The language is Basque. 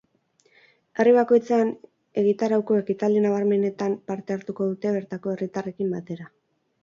Herri bakoitzean, egitarauko ekitaldi nabarmenenetan parte hartuko dute bertako herritarrekin batera.